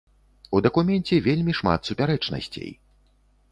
У дакуменце вельмі шмат супярэчнасцей!